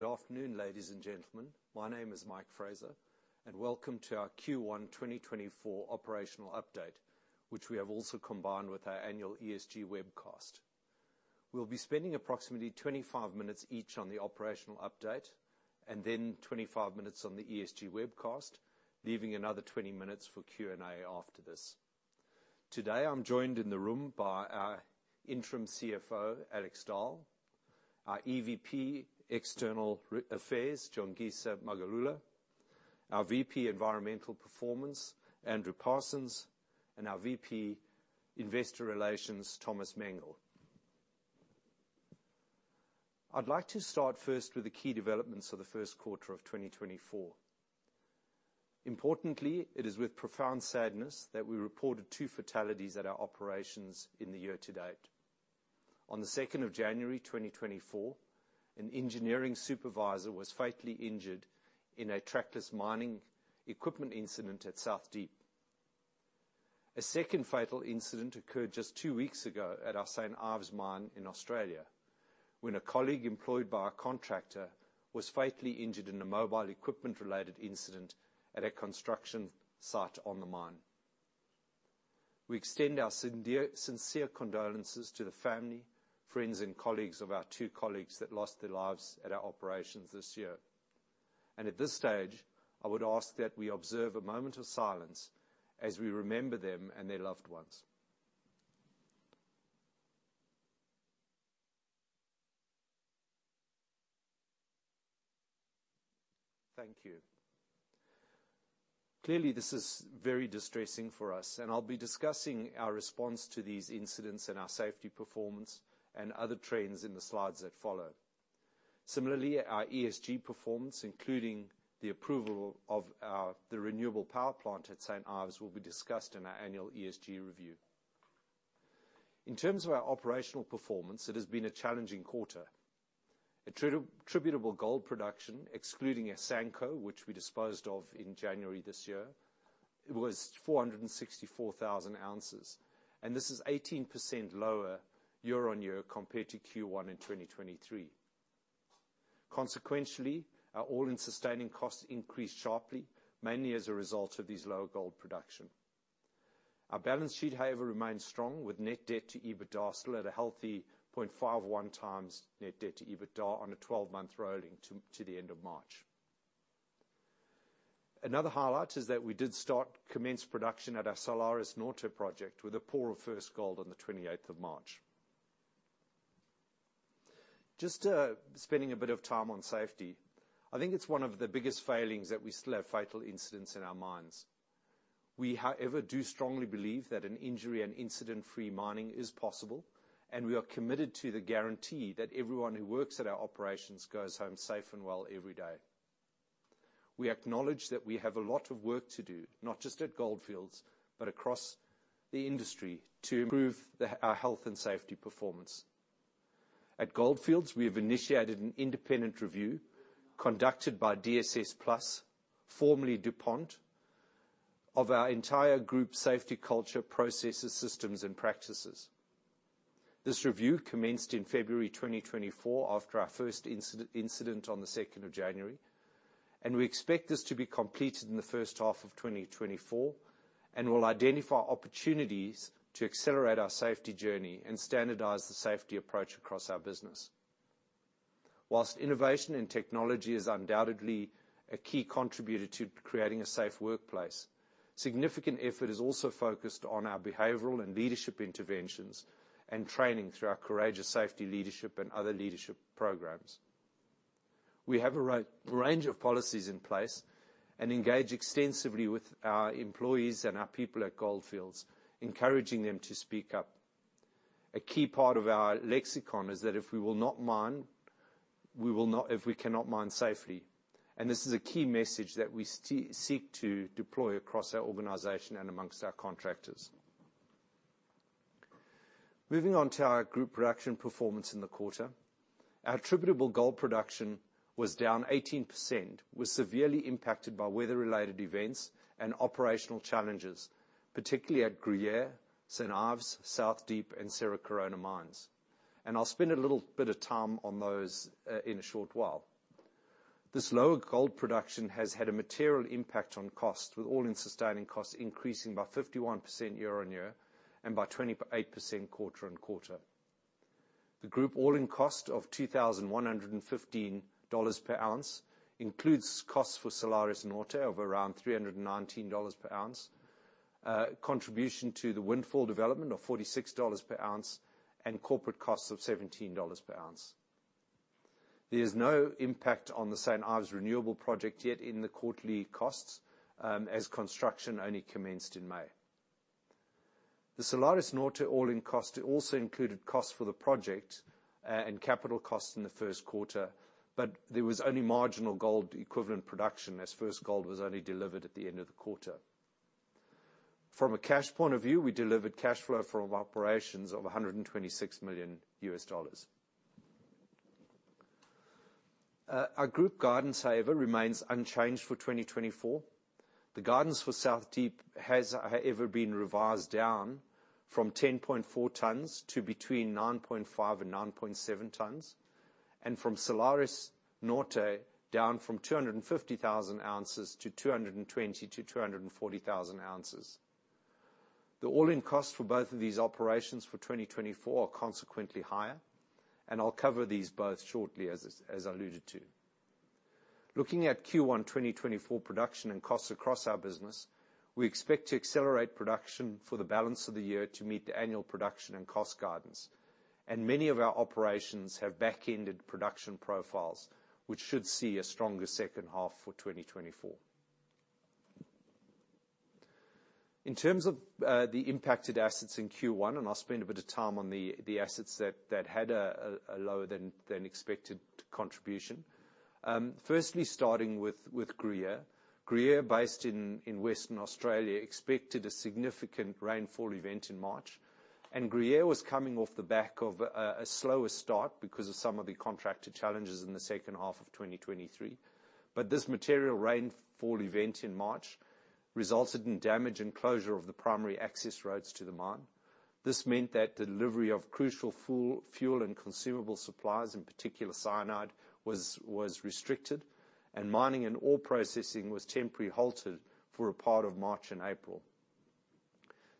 Good afternoon, ladies and gentlemen. My name is Mike Fraser, and welcome to our Q1 2024 operational update, which we have also combined with our annual ESG webcast. We'll be spending approximately 25 minutes each on the operational update, and then 25 minutes on the ESG webcast, leaving another 20 minutes for Q&A after this. Today, I'm joined in the room by our Interim CFO, Alex Dall; our EVP, External Affairs, Jongisa Magagula; our VP, Environmental Performance, Andrew Parsons; and our VP, Investor Relations, Thomas Mengel. I'd like to start first with the key developments of the first quarter of 2024. Importantly, it is with profound sadness that we reported two fatalities at our operations in the year to date. On the January 2nd, 2024, an engineering supervisor was fatally injured in a trackless mining equipment incident at South Deep. A second fatal incident occurred just two weeks ago at our St. Ives mine in Australia, when a colleague employed by our contractor was fatally injured in a mobile equipment-related incident at a construction site on the mine. We extend our sincere condolences to the family, friends, and colleagues of our two colleagues that lost their lives at our operations this year. At this stage, I would ask that we observe a moment of silence as we remember them and their loved ones. Thank you. Clearly, this is very distressing for us, and I'll be discussing our response to these incidents and our safety performance and other trends in the slides that follow. Similarly, our ESG performance, including the approval of our the renewable power plant at St. Ives, will be discussed in our annual ESG review. In terms of our operational performance, it has been a challenging quarter. Attributable gold production, excluding Asanko, which we disposed of in January this year, it was 464,000 oz, and this is 18% lower year-on-year compared to Q1 in 2023. Consequentially, our all-in sustaining costs increased sharply, mainly as a result of these lower gold production. Our balance sheet, however, remains strong, with net debt to EBITDA still at a healthy 0.51x net debt to EBITDA on a twelve-month rolling to the end of March. Another highlight is that we commenced production at our Salares Norte project, with a pour of first gold on the March 28th. Just spending a bit of time on safety, I think it's one of the biggest failings that we still have fatal incidents in our mines. We, however, do strongly believe that an injury and incident-free mining is possible, and we are committed to the guarantee that everyone who works at our operations goes home safe and well every day. We acknowledge that we have a lot of work to do, not just at Gold Fields, but across the industry, to improve our health and safety performance. At Gold Fields, we have initiated an independent review conducted by dss+, formerly DuPont, of our entire group safety culture, processes, systems, and practices. This review commenced in February 2024 after our first incident on the January 2nd, and we expect this to be completed in the first half of 2024, and will identify opportunities to accelerate our safety journey and standardize the safety approach across our business. While innovation and technology is undoubtedly a key contributor to creating a safe workplace, significant effort is also focused on our behavioral and leadership interventions and training through our Courageous Safety Leadership and other leadership programs. We have a range of policies in place and engage extensively with our employees and our people at Gold Fields, encouraging them to speak up. A key part of our lexicon is that if we cannot mine safely, and this is a key message that we seek to deploy across our organization and amongst our contractors. Moving on to our group production performance in the quarter. Our attributable gold production was down 18%, was severely impacted by weather-related events and operational challenges, particularly at Gruyere, St. Ives, South Deep, and Cerro Corona mines. I'll spend a little bit of time on those in a short while. This lower gold production has had a material impact on cost, with all-in sustaining costs increasing by 51% year-on-year and by 28% quarter-on-quarter. The group all-in cost of $2,115 per ounce includes costs for Salares Norte of around $319 per ounce, contribution to the Windfall development of $46 per ounce, and corporate costs of $17 per ounce. There is no impact on the St. Ives renewable project yet in the quarterly costs, as construction only commenced in May. The Salares Norte all-in cost also included costs for the project and capital costs in the first quarter, but there was only marginal gold equivalent production, as first gold was only delivered at the end of the quarter. From a cash point of view, we delivered cash flow from operations of $126 million. Our group guidance, however, remains unchanged for 2024. The guidance for South Deep has, however, been revised down from 10.4 tonnes to between 9.5 and 9.7 tonnes, and from Salares Norte, down from 250,000 oz to 220,000-240,000 oz. The all-in cost for both of these operations for 2024 are consequently higher, and I'll cover these both shortly, as, as I alluded to. Looking at Q1 2024 production and costs across our business, we expect to accelerate production for the balance of the year to meet the annual production and cost guidance. Many of our operations have back-ended production profiles, which should see a stronger second half for 2024. In terms of the impacted assets in Q1, and I'll spend a bit of time on the assets that had a lower than expected contribution. Firstly, starting with Gruyere. Gruyere, based in Western Australia, expected a significant rainfall event in March, and Gruyere was coming off the back of a slower start because of some of the contracted challenges in the second half of 2023. But this material rainfall event in March resulted in damage and closure of the primary access roads to the mine. This meant that delivery of crucial fuel and consumable supplies, in particular cyanide, was restricted, and mining and ore processing was temporarily halted for a part of March and April.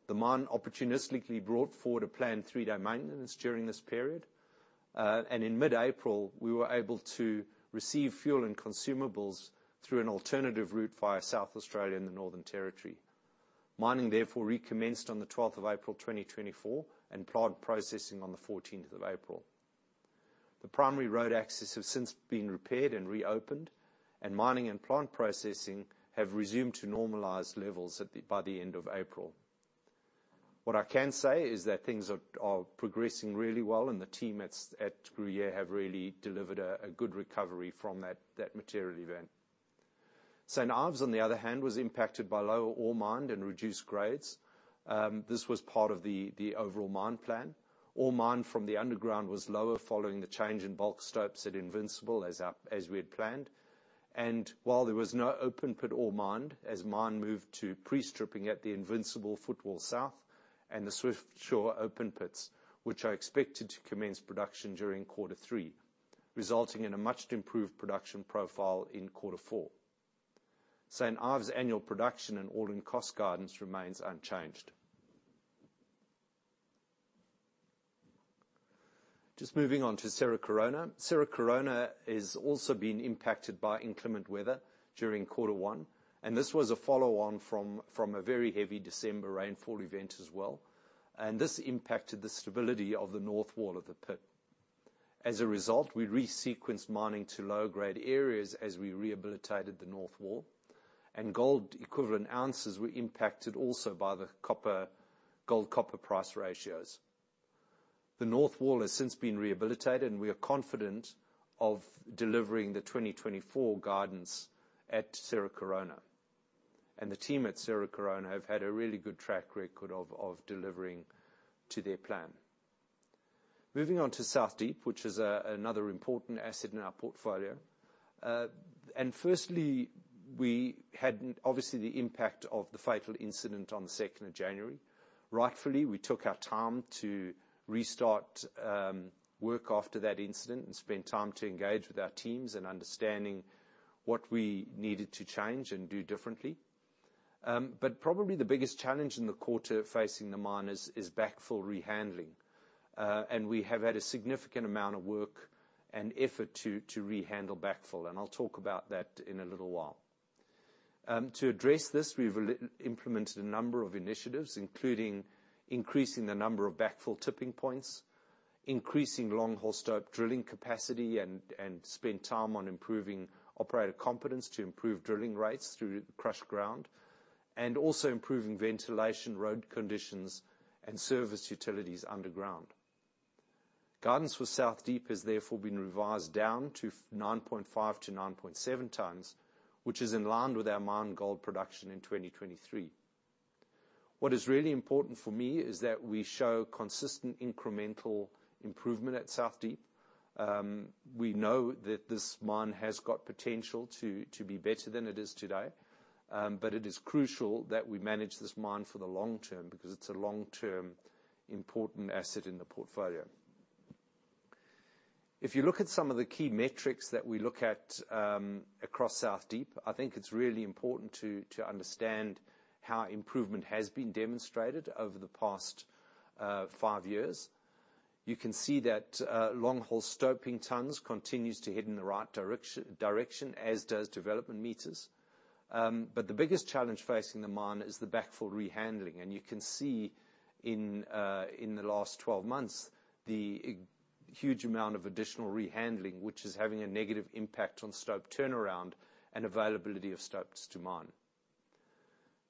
The mine opportunistically brought forward a planned 3-day maintenance during this period, and in mid-April, we were able to receive fuel and consumables through an alternative route via South Australia and the Northern Territory. Mining therefore recommenced on the April 12th, 2024 and plant processing on the April 14th. The primary road access has since been repaired and reopened, and mining and plant processing have resumed to normalized levels by the end of April. What I can say is that things are progressing really well, and the team at Gruyere have really delivered a good recovery from that material event. St. Ives, on the other hand, was impacted by lower ore mined and reduced grades. This was part of the overall mine plan. Ore mined from the underground was lower following the change in bulk stopes at Invincible, as we had planned. While there was no open pit ore mined, as mine moved to pre-stripping at the Invincible Footwall South and the Swiftsure open pits, which are expected to commence production during quarter three, resulting in a much improved production profile in quarter four. St. Ives annual production and all-in cost guidance remains unchanged. Just moving on to Cerro Corona. Cerro Corona has also been impacted by inclement weather during quarter one, and this was a follow-on from a very heavy December rainfall event as well, and this impacted the stability of the north wall of the pit. As a result, we re-sequenced mining to lower grade areas as we rehabilitated the north wall, and gold equivalent ounces were impacted also by the copper, gold-copper price ratios. The north wall has since been rehabilitated, and we are confident of delivering the 2024 guidance at Cerro Corona. And the team at Cerro Corona have had a really good track record of delivering to their plan. Moving on to South Deep, which is another important asset in our portfolio. And firstly, we had obviously the impact of the fatal incident on January 2nd. Rightfully, we took our time to restart work after that incident and spend time to engage with our teams in understanding what we needed to change and do differently. But probably the biggest challenge in the quarter facing the mine is backfill rehandling, and we have had a significant amount of work and effort to rehandle backfill, and I'll talk about that in a little while. To address this, we've re-implemented a number of initiatives, including increasing the number of backfill tipping points, increasing longhole stope drilling capacity, and spent time on improving operator competence to improve drilling rates through crushed ground, and also improving ventilation, road conditions, and service utilities underground. Guidance for South Deep has therefore been revised down to 9.5-9.7 tonnes, which is in line with our mined gold production in 2023. What is really important for me is that we show consistent incremental improvement at South Deep. We know that this mine has got potential to be better than it is today, but it is crucial that we manage this mine for the long term, because it's a long-term, important asset in the portfolio. If you look at some of the key metrics that we look at across South Deep, I think it's really important to understand how improvement has been demonstrated over the past 5 years. You can see that longhole stoping tonnes continues to head in the right direction, as does development meters. But the biggest challenge facing the mine is the backfill rehandling, and you can see in the last 12 months, the huge amount of additional rehandling, which is having a negative impact on stope turnaround and availability of stopes to mine.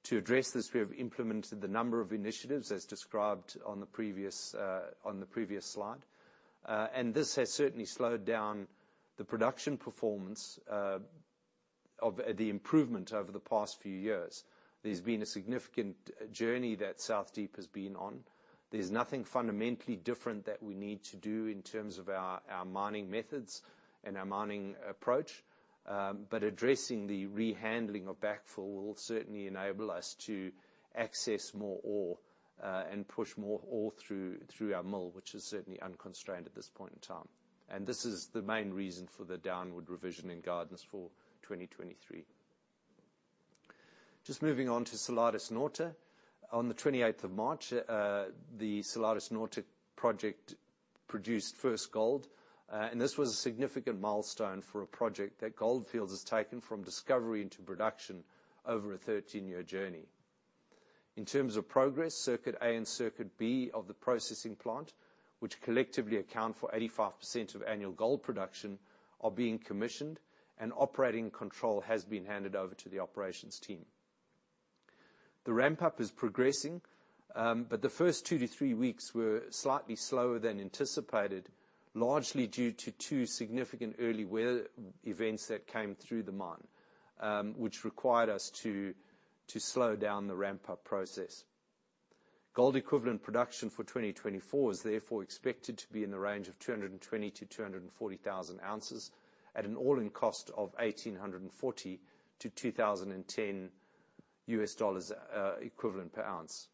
To address this, we have implemented a number of initiatives, as described on the previous slide, and this has certainly slowed down the production performance of the improvement over the past few years.... There's been a significant journey that South Deep has been on. There's nothing fundamentally different that we need to do in terms of our, our mining methods and our mining approach. But addressing the rehandling of backfill will certainly enable us to access more ore and push more ore through, through our mill, which is certainly unconstrained at this point in time. And this is the main reason for the downward revision in guidance for 2023. Just moving on to Salares Norte. On the March 28th, the Salares Norte project produced first gold and this was a significant milestone for a project that Gold Fields has taken from discovery into production over a 13-year journey. In terms of progress, Circuit A and Circuit B of the processing plant, which collectively account for 85% of annual gold production, are being commissioned, and operating control has been handed over to the operations team. The ramp-up is progressing, but the first 2-3 weeks were slightly slower than anticipated, largely due to two significant early weather events that came through the mine, which required us to slow down the ramp-up process. Gold equivalent production for 2024 is therefore expected to be in the range of 220,000-240,000 oz, at an all-in cost of $1,840-$2,010 equivalent per ounce.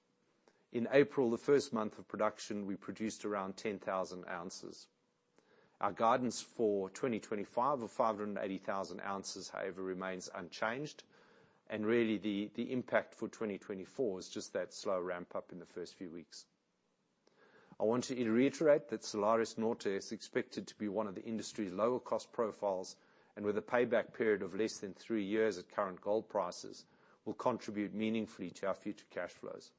In April, the first month of production, we produced around 10,000 oz. Our guidance for 2025 of 580,000 oz, however, remains unchanged, and really, the impact for 2024 is just that slow ramp-up in the first few weeks. I want to reiterate that Salares Norte is expected to be one of the industry's lower-cost profiles, and with a payback period of less than three years at current gold prices, will contribute meaningfully to our future cash flows.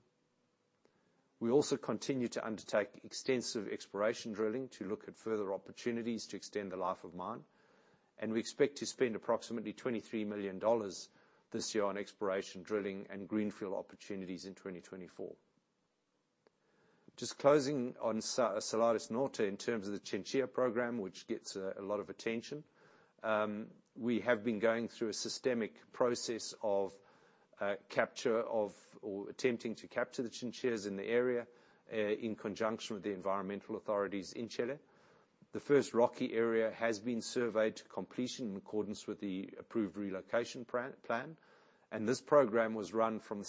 We also continue to undertake extensive exploration drilling to look at further opportunities to extend the life of mine, and we expect to spend approximately $23 million this year on exploration, drilling, and greenfield opportunities in 2024. Just closing on Salares Norte, in terms of the Chinchilla program, which gets a lot of attention, we have been going through a systematic process of capture of, or attempting to capture the chinchillas in the area, in conjunction with the environmental authorities in Chile. The first rocky area has been surveyed to completion in accordance with the approved relocation plan, and this program was run from the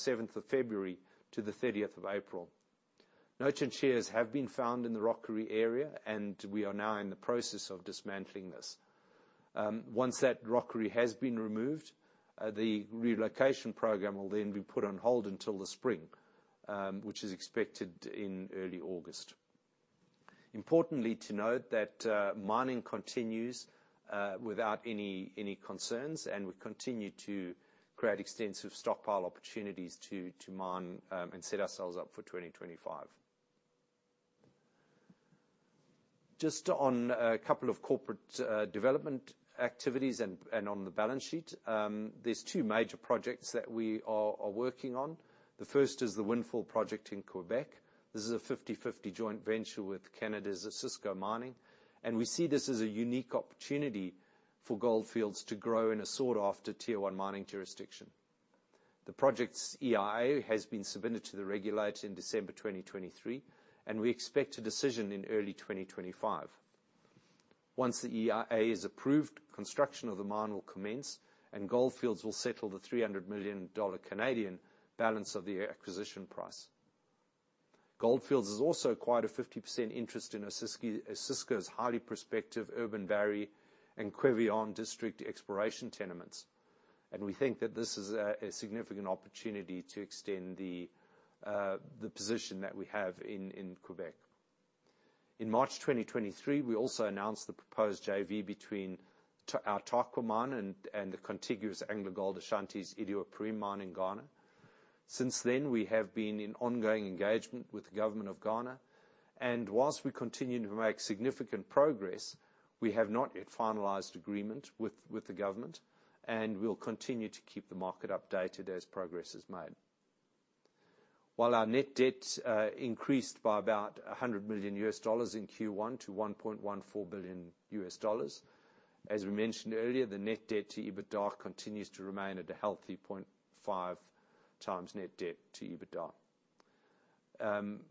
February 7th to the April 30th. No chinchillas have been found in the rockery area, and we are now in the process of dismantling this. Once that rockery has been removed, the relocation program will then be put on hold until the spring, which is expected in early August. Importantly to note that, mining continues without any concerns, and we continue to create extensive stockpile opportunities to mine and set ourselves up for 2025. Just on a couple of corporate development activities and on the balance sheet, there's two major projects that we are working on. The first is the Windfall project in Quebec. This is a 50/50 joint venture with Canada's Osisko Mining, and we see this as a unique opportunity for Gold Fields to grow in a sought-after Tier One mining jurisdiction. The project's EIA has been submitted to the regulator in December 2023, and we expect a decision in early 2025. Once the EIA is approved, construction of the mine will commence, and Gold Fields will settle the 300 million Canadian dollars balance of the acquisition price. Gold Fields has also acquired a 50% interest in Osisko, Osisko's highly prospective Urban-Barry and Quevillon district exploration tenements, and we think that this is a, a significant opportunity to extend the, the position that we have in, in Quebec. In March 2023, we also announced the proposed JV between our Tarkwa Mine and, and the contiguous AngloGold Ashanti's Iduapriem Mine in Ghana. Since then, we have been in ongoing engagement with the government of Ghana, and while we continue to make significant progress, we have not yet finalized agreement with, with the government, and we'll continue to keep the market updated as progress is made. While our net debt increased by about $100 million in Q1 to $1.14 billion, as we mentioned earlier, the net debt to EBITDA continues to remain at a healthy 0.5x net debt to EBITDA.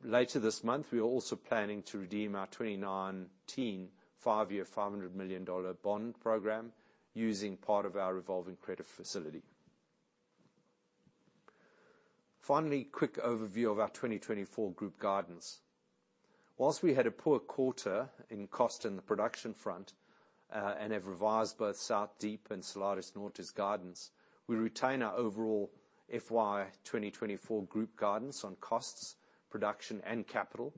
Later this month, we are also planning to redeem our 2019 five-year, $500 million bond program, using part of our revolving credit facility. Finally, a quick overview of our 2024 group guidance. While we had a poor quarter in cost in the production front, and have revised both South Deep and Salares Norte's guidance, we retain our overall FY 2024 group guidance on costs, production, and capital.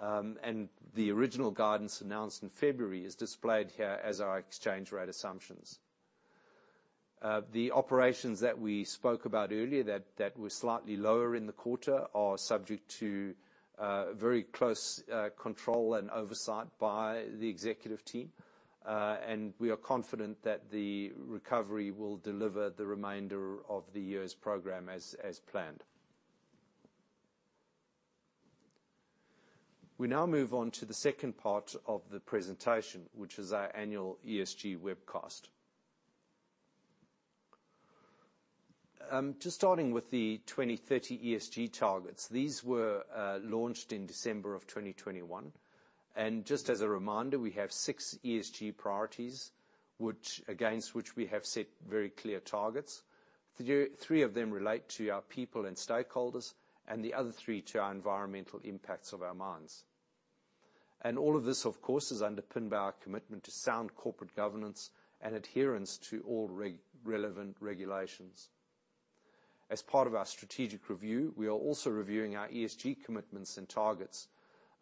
The original guidance announced in February is displayed here as our exchange rate assumptions. The operations that we spoke about earlier, that, that were slightly lower in the quarter, are subject to very close control and oversight by the executive team. We are confident that the recovery will deliver the remainder of the year's program as planned. We now move on to the second part of the presentation, which is our annual ESG webcast. Just starting with the 2030 ESG targets, these were launched in December of 2021. And just as a reminder, we have six ESG priorities, against which we have set very clear targets. Three of them relate to our people and stakeholders, and the other three to our environmental impacts of our mines. And all of this, of course, is underpinned by our commitment to sound corporate governance and adherence to all relevant regulations. As part of our strategic review, we are also reviewing our ESG commitments and targets,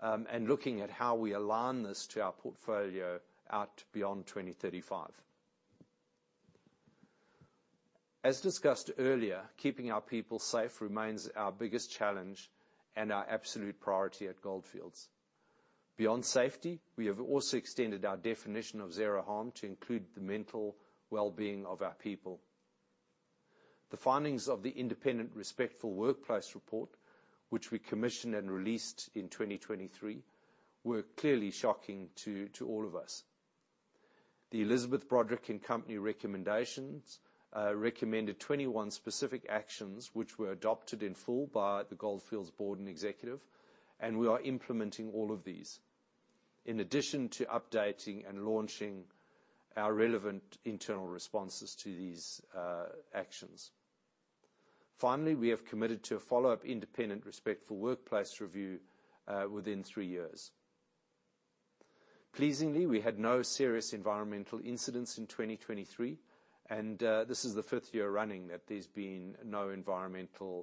and looking at how we align this to our portfolio out beyond 2035. As discussed earlier, keeping our people safe remains our biggest challenge and our absolute priority at Gold Fields. Beyond safety, we have also extended our definition of zero harm to include the mental wellbeing of our people. The findings of the independent Respectful Workplace Report, which we commissioned and released in 2023, were clearly shocking to all of us. The Elizabeth Broderick & Co. recommendations recommended 21 specific actions, which were adopted in full by the Gold Fields board and executive, and we are implementing all of these, in addition to updating and launching our relevant internal responses to these actions. Finally, we have committed to a follow-up independent respectful workplace review within 3 years. Pleasingly, we had no serious environmental incidents in 2023, and this is the fifth year running that there's been no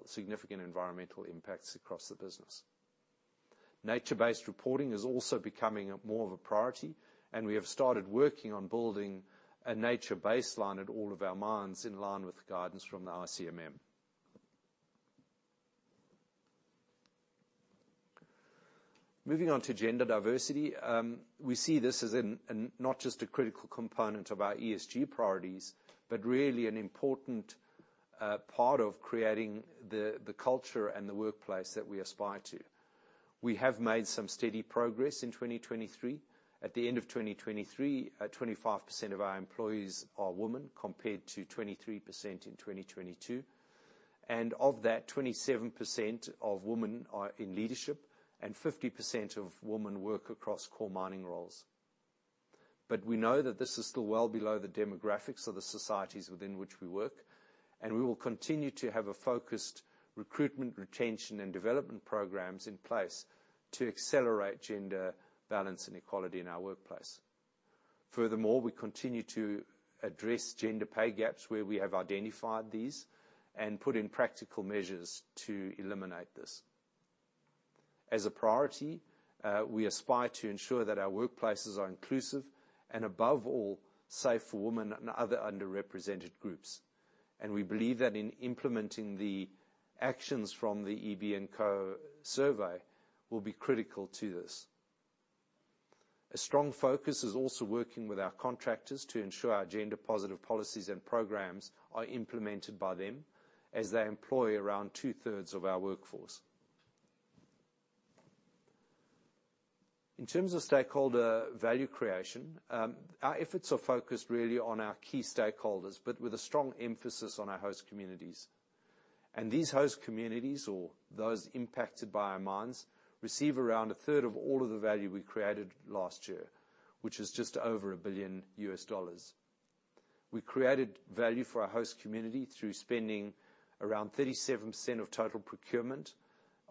significant environmental impacts across the business. Nature-based reporting is also becoming more of a priority, and we have started working on building a nature baseline at all of our mines, in line with the guidance from the ICMM. Moving on to gender diversity, we see this as not just a critical component of our ESG priorities, but really an important part of creating the culture and the workplace that we aspire to. We have made some steady progress in 2023. At the end of 2023, 25% of our employees are women, compared to 23% in 2022. And of that, 27% of women are in leadership, and 50% of women work across core mining roles. But we know that this is still well below the demographics of the societies within which we work, and we will continue to have a focused recruitment, retention, and development programs in place to accelerate gender balance and equality in our workplace. Furthermore, we continue to address gender pay gaps, where we have identified these, and put in practical measures to eliminate this. As a priority, we aspire to ensure that our workplaces are inclusive and above all, safe for women and other underrepresented groups. And we believe that in implementing the actions from the EB & Co. survey will be critical to this. A strong focus is also working with our contractors to ensure our gender-positive policies and programs are implemented by them, as they employ around two-thirds of our workforce. In terms of stakeholder value creation, our efforts are focused really on our key stakeholders, but with a strong emphasis on our host communities. And these host communities, or those impacted by our mines, receive around a third of all of the value we created last year, which is just over $1 billion. We created value for our host community through spending around 37% of total procurement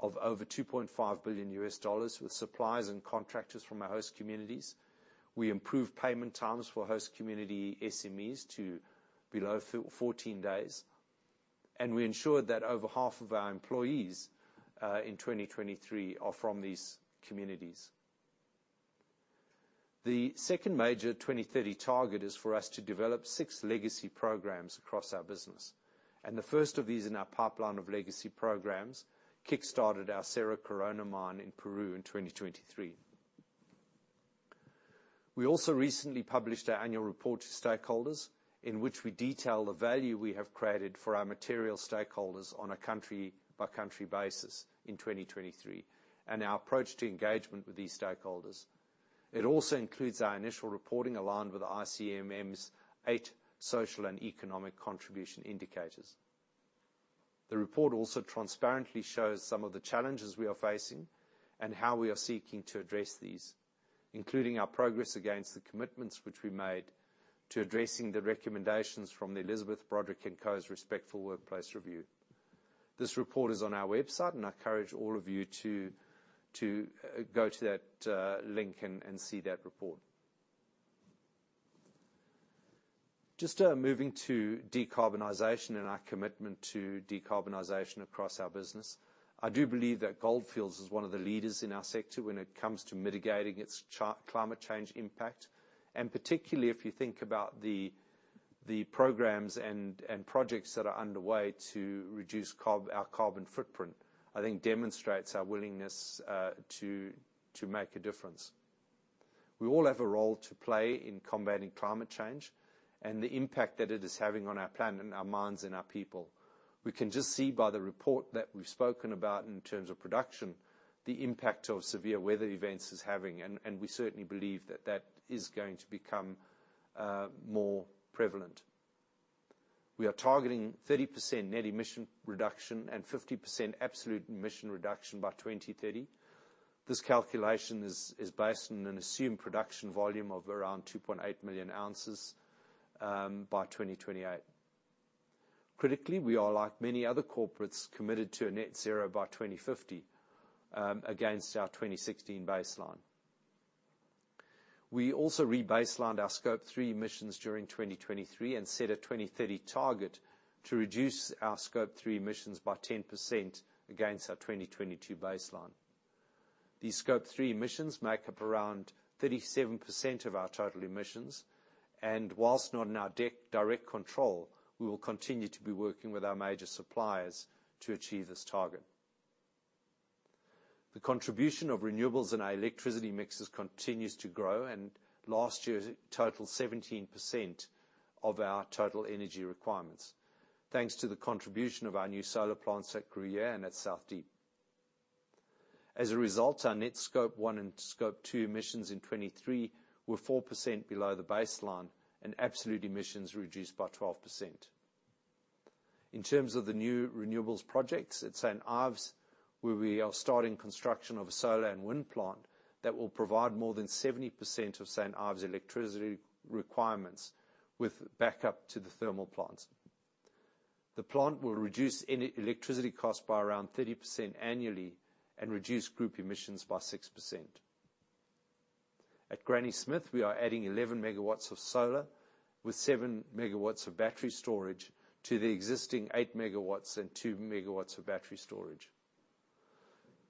of over $2.5 billion with suppliers and contractors from our host communities. We improved payment times for host community SMEs to below 14 days, and we ensured that over half of our employees in 2023 are from these communities. The second major 2030 target is for us to develop six legacy programs across our business, and the first of these in our pipeline of legacy programs kickstarted our Cerro Corona mine in Peru in 2023. We also recently published our annual report to stakeholders, in which we detail the value we have created for our material stakeholders on a country-by-country basis in 2023, and our approach to engagement with these stakeholders. It also includes our initial reporting, aligned with the ICMM's eight social and economic contribution indicators. The report also transparently shows some of the challenges we are facing and how we are seeking to address these, including our progress against the commitments which we made to addressing the recommendations from the Elizabeth Broderick & Co.'s Respectful Workplace Review. This report is on our website, and I encourage all of you to go to that link and see that report. Just moving to decarbonization and our commitment to decarbonization across our business. I do believe that Gold Fields is one of the leaders in our sector when it comes to mitigating its climate change impact, and particularly if you think about the programs and projects that are underway to reduce our carbon footprint. I think that demonstrates our willingness to make a difference. We all have a role to play in combating climate change and the impact that it is having on our planet and our mines and our people. We can just see by the report that we've spoken about in terms of production, the impact of severe weather events is having, and we certainly believe that that is going to become more prevalent. We are targeting 30% net emission reduction and 50% absolute emission reduction by 2030. This calculation is based on an assumed production volume of around 2.8 million oz by 2028. Critically, we are, like many other corporates, committed to a net-zero by 2050 against our 2016 baseline. We also rebaselined our Scope 3 emissions during 2023 and set a 2030 target to reduce our Scope 3 emissions by 10% against our 2022 baseline. These Scope 3 emissions make up around 37% of our total emissions, and while not in our direct control, we will continue to be working with our major suppliers to achieve this target. The contribution of renewables in our electricity mixes continues to grow, and last year totaled 17% of our total energy requirements, thanks to the contribution of our new solar plants at Gruyere and at South Deep. As a result, our net Scope 1 and Scope 2 emissions in 2023 were 4% below the baseline and absolute emissions reduced by 12%. In terms of the new renewables projects at St. Ives, where we are starting construction of a solar and wind plant that will provide more than 70% of St. Ives' electricity requirements with backup to the thermal plants. The plant will reduce any electricity cost by around 30% annually and reduce group emissions by 6%. At Granny Smith, we are adding 11 MW of solar with 7 MW of battery storage to the existing 8 MW and 2 MW of battery storage.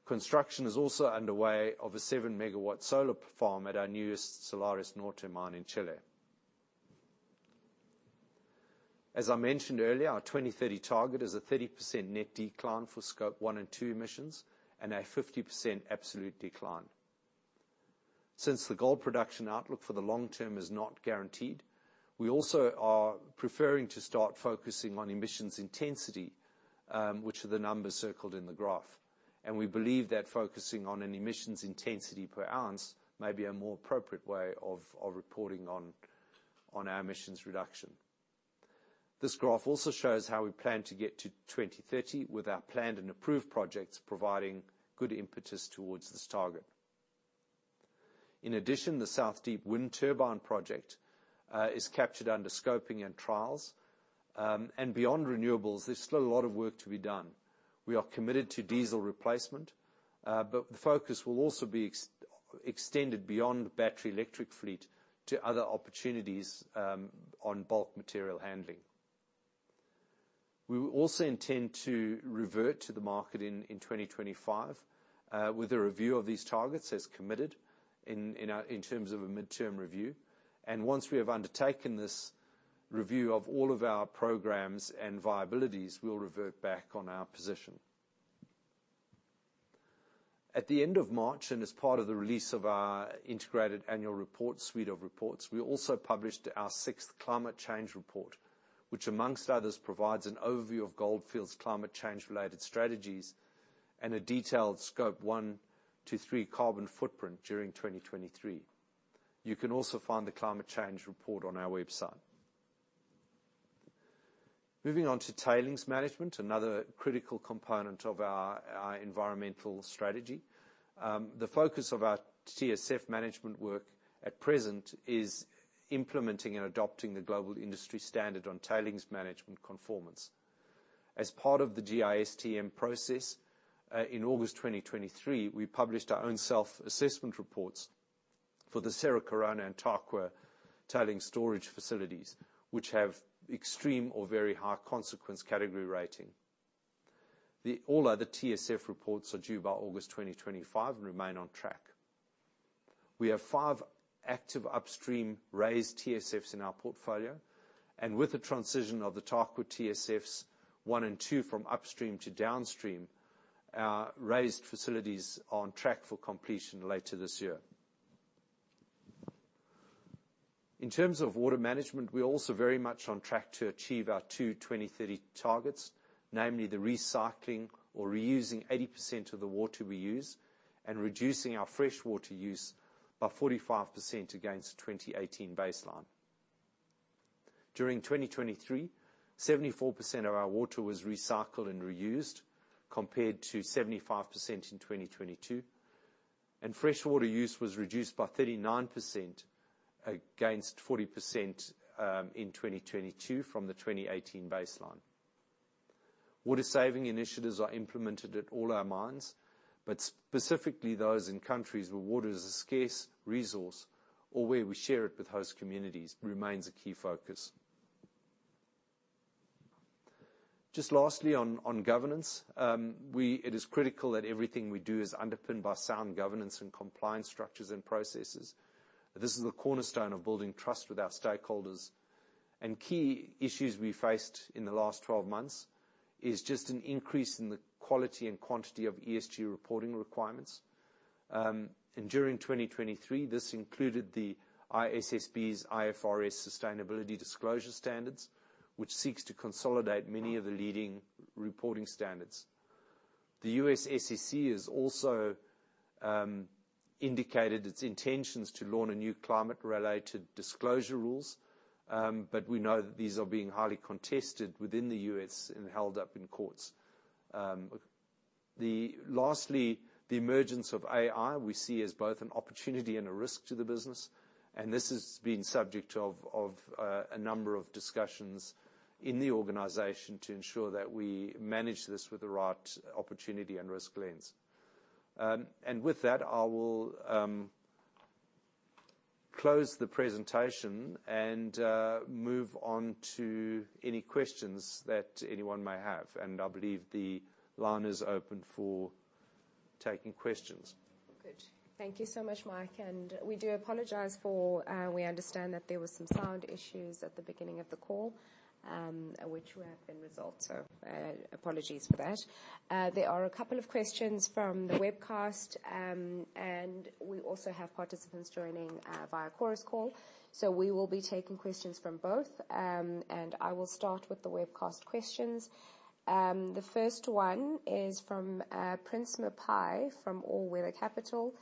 Construction is also underway of a 7-MW solar farm at our newest Salares Norte mine in Chile. As I mentioned earlier, our 2030 target is a 30% net decline for Scope 1 and 2 emissions, and a 50% absolute decline. Since the gold production outlook for the long term is not guaranteed, we also are preferring to start focusing on emissions intensity, which are the numbers circled in the graph. We believe that focusing on an emissions intensity per ounce may be a more appropriate way of reporting on our emissions reduction. This graph also shows how we plan to get to 2030, with our planned and approved projects providing good impetus towards this target. In addition, the South Deep Wind Turbine project is captured under scoping and trials. And beyond renewables, there's still a lot of work to be done. We are committed to diesel replacement, but the focus will also be extended beyond battery electric fleet to other opportunities on bulk material handling. We will also intend to revert to the market in 2025 with a review of these targets as committed in terms of a midterm review. And once we have undertaken this review of all of our programs and viabilities, we'll revert back on our position. At the end of March, and as part of the release of our Integrated Annual Report, suite of reports, we also published our sixth Climate Change Report, which among others, provides an overview of Gold Fields climate change-related strategies and a detailed Scope 1 to 3 carbon footprint during 2023. You can also find the Climate Change Report on our website. Moving on to tailings management, another critical component of our environmental strategy. The focus of our TSF management work at present is implementing and adopting the global industry standard on tailings management conformance. As part of the GISTM process, in August 2023, we published our own self-assessment reports for the Cerro Corona and Tarkwa tailings storage facilities, which have extreme or very high consequence category rating. All other TSF reports are due by August 2025 and remain on track. We have five active upstream raised TSFs in our portfolio, and with the transition of the Tarkwa TSFs, one and two from upstream to downstream, our raised facilities are on track for completion later this year. In terms of water management, we're also very much on track to achieve our 2030 targets, namely, the recycling or reusing 80% of the water we use, and reducing our freshwater use by 45% against the 2018 baseline. During 2023, 74% of our water was recycled and reused, compared to 75% in 2022, and freshwater use was reduced by 39% against 40%, in 2022 from the 2018 baseline. Water-saving initiatives are implemented at all our mines, but specifically those in countries where water is a scarce resource or where we share it with host communities, remains a key focus. Just lastly, on governance, it is critical that everything we do is underpinned by sound governance and compliance structures and processes. This is the cornerstone of building trust with our stakeholders, and key issues we faced in the last 12 months is just an increase in the quality and quantity of ESG reporting requirements. And during 2023, this included the ISSB's IFRS sustainability disclosure standards, which seeks to consolidate many of the leading reporting standards. The U.S. SEC has also indicated its intentions to launch a new climate-related disclosure rules, but we know that these are being highly contested within the U.S. and held up in courts. Lastly, the emergence of AI, we see as both an opportunity and a risk to the business, and this has been subject of a number of discussions in the organization to ensure that we manage this with the right opportunity and risk lens. With that, I will close the presentation and move on to any questions that anyone may have, and I believe the line is open for taking questions. Good. Thank you so much, Mike, and we do apologize for, we understand that there were some sound issues at the beginning of the call, which we have been resolved, so, apologies for that. There are a couple of questions from the webcast, and we also have participants joining via Chorus Call. So we will be taking questions from both. And I will start with the webcast questions. The first one is from Prince Mopai, from All Weather Capital.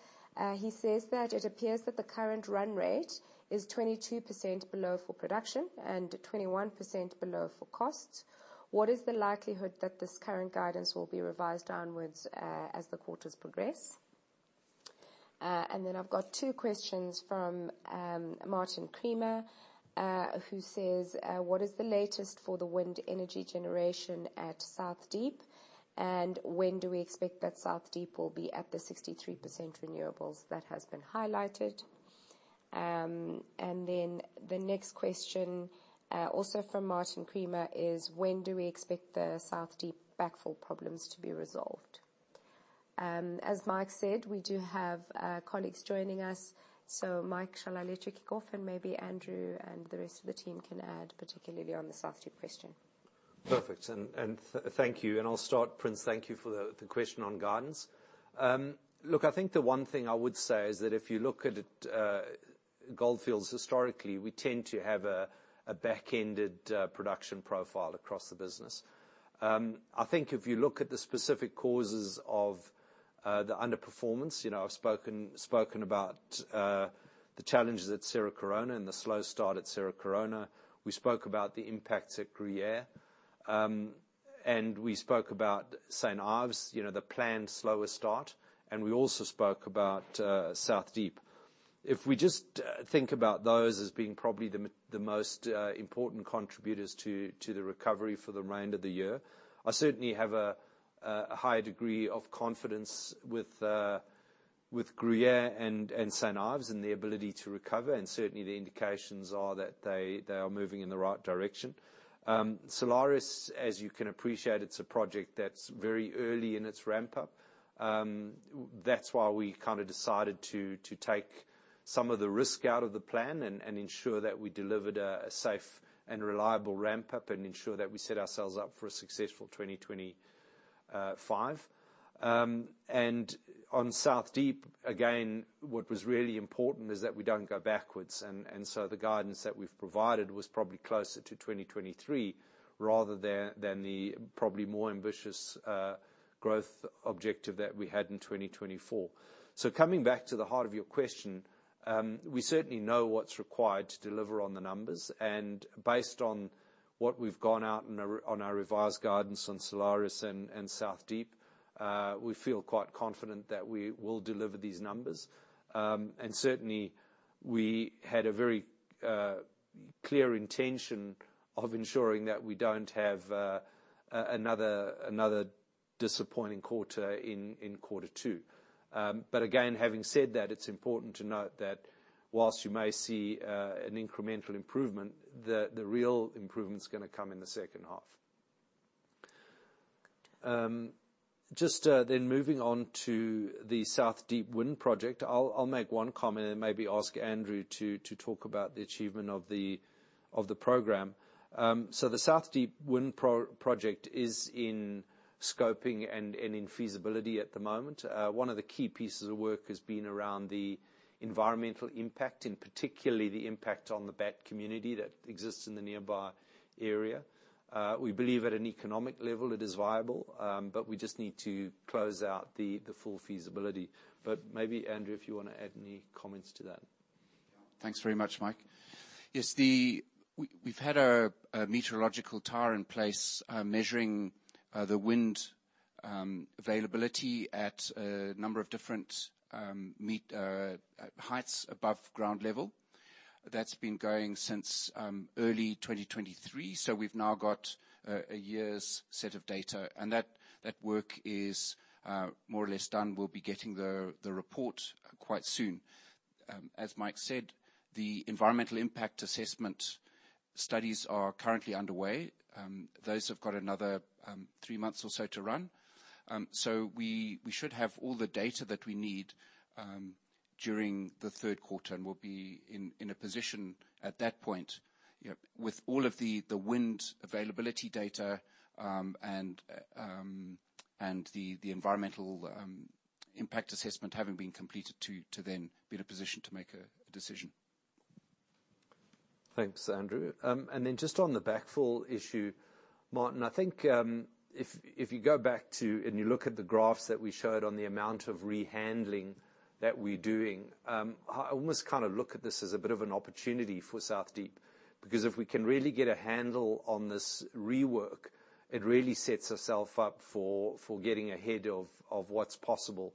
He says that it appears that the current run rate is 22% below for production and 21% below for cost. What is the likelihood that this current guidance will be revised downwards, as the quarters progress? And then I've got two questions from Martin Creamer, who says, what is the latest for the wind energy generation at South Deep? And when do we expect that South Deep will be at the 63% renewables that has been highlighted? And then the next question, also from Martin Creamer, is when do we expect the South Deep backfill problems to be resolved? As Mike said, we do have colleagues joining us, so Mike, shall I let you kick off, and maybe Andrew and the rest of the team can add, particularly on the South Deep question. Perfect, thank you. I'll start, Prince. Thank you for the question on guidance. Look, I think the one thing I would say is that if you look at Gold Fields, historically, we tend to have a back-ended production profile across the business. I think if you look at the specific causes of the underperformance, you know, I've spoken about the challenges at Cerro Corona and the slow start at Cerro Corona. We spoke about the impacts at Gruyere, and we spoke about St. Ives, you know, the planned slower start, and we also spoke about South Deep. If we just think about those as being probably the most important contributors to the recovery for the remainder of the year, I certainly have a high degree of confidence with Gruyere and St. Ives and the ability to recover, and certainly, the indications are that they are moving in the right direction. Salares Norte, as you can appreciate, it's a project that's very early in its ramp up. That's why we kind of decided to take some of the risk out of the plan and ensure that we delivered a safe and reliable ramp up and ensure that we set ourselves up for a successful 2025. And on South Deep, again, what was really important is that we don't go backwards, and so the guidance that we've provided was probably closer to 2023, rather than the probably more ambitious growth objective that we had in 2024. So coming back to the heart of your question, we certainly know what's required to deliver on the numbers, and based on what we've gone out on our revised guidance on Salares Norte and South Deep, we feel quite confident that we will deliver these numbers. And certainly, we had a very clear intention of ensuring that we don't have another disappointing quarter in quarter two. But again, having said that, it's important to note that while you may see an incremental improvement, the real improvement's gonna come in the second half. Then moving on to the South Deep Wind project, I'll make one comment and maybe ask Andrew to talk about the achievement of the program. So the South Deep Wind project is in scoping and in feasibility at the moment. One of the key pieces of work has been around the environmental impact, and particularly the impact on the bat community that exists in the nearby area. We believe at an economic level it is viable, but we just need to close out the full feasibility. But maybe, Andrew, if you want to add any comments to that. Thanks very much, Mike. Yes, we've had a meteorological tower in place, measuring the wind availability at a number of different heights above ground level. That's been going since early 2023, so we've now got a year's set of data, and that work is more or less done. We'll be getting the report quite soon. As Mike said, the environmental impact assessment studies are currently underway. Those have got another three months or so to run. So we should have all the data that we need... During the third quarter, and we'll be in a position at that point, you know, with all of the Windfall availability data, and the environmental impact assessment having been completed to then be in a position to make a decision. Thanks, Andrew. And then just on the backfill issue, Martin, I think, if you go back to and you look at the graphs that we showed on the amount of rehandling that we're doing, I almost kind of look at this as a bit of an opportunity for South Deep. Because if we can really get a handle on this rework, it really sets ourself up for getting ahead of what's possible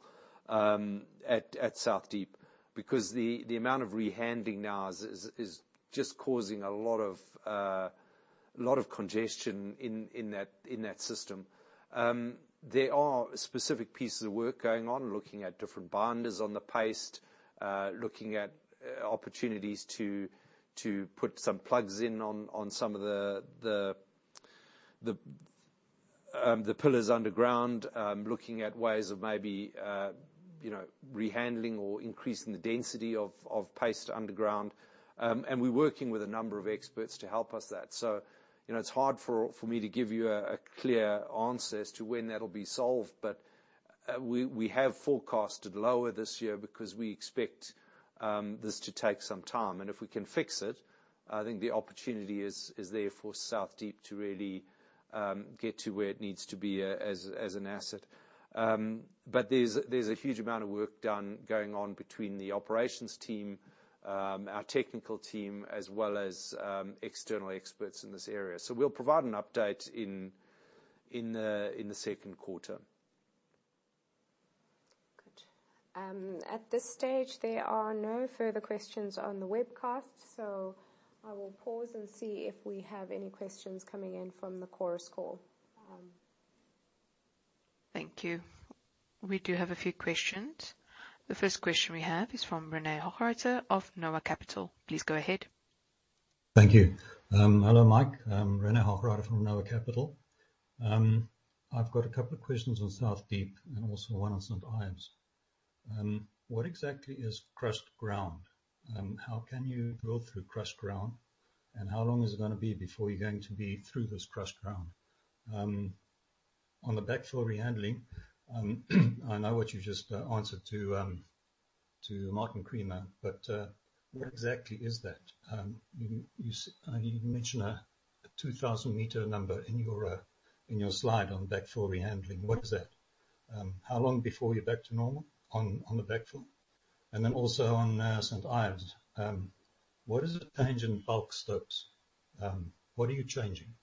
at South Deep. Because the amount of rehandling now is just causing a lot of a lot of congestion in that system. There are specific pieces of work going on, looking at different binders on the paste, looking at opportunities to put some plugs in on some of the pillars underground. Looking at ways of maybe, you know, rehandling or increasing the density of, of paste underground. And we're working with a number of experts to help us that. So, you know, it's hard for, for me to give you a, a clear answer as to when that'll be solved, but, we, we have forecasted lower this year because we expect, this to take some time. And if we can fix it, I think the opportunity is, is there for South Deep to really, get to where it needs to be, as, as an asset. But there's, there's a huge amount of work done going on between the operations team, our technical team, as well as, external experts in this area. So we'll provide an update in, in the, in the second quarter. Good. At this stage, there are no further questions on the webcast, so I will pause and see if we have any questions coming in from the Chorus Call. Thank you. We do have a few questions. The first question we have is from Rene Hochreiter of Noah Capital. Please go ahead. Thank you. Hello, Mike. I'm Rene Hochreiter from Noah Capital. I've got a couple of questions on South Deep, and also one on St. Ives. What exactly is crushed ground, and how can you go through crushed ground? And how long is it gonna be before you're going to be through this crushed ground? On the backfill rehandling, I know what you just answered to Martin Creamer, but what exactly is that? I mean, you mentioned a 2,000-meter number in your slide on backfill rehandling. What is that? How long before you're back to normal on the backfill? And then also on St. Ives, what is the change in bulk stopes? What are you changing?